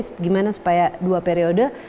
bagaimana supaya dua periode